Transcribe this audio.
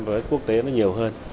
với quốc tế nó nhiều hơn